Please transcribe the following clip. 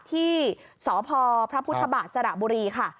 ที่สพพระพุทธบาทสระบุรีค่ะ